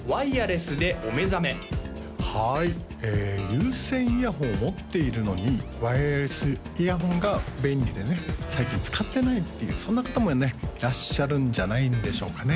はい有線イヤホンを持っているのにワイヤレスイヤホンが便利でね最近使ってないっていうそんな方もねいらっしゃるんじゃないんでしょうかね